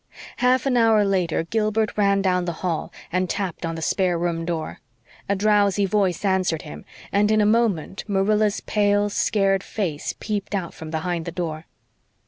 Half an hour later Gilbert ran down the hall and tapped on the spare room door. A drowsy voice answered him and in a moment Marilla's pale, scared face peeped out from behind the door.